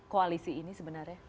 koalisi ini sebenarnya